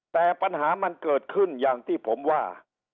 แต่ปัญหามันเกิดขึ้นอย่างที่ผมว่า